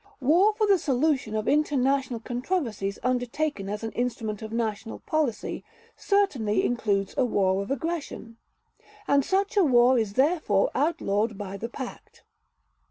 War for the solution of international controversies undertaken as an instrument of national policy certainly includes a war of aggression, and such a war is therefore outlawed by the Pact.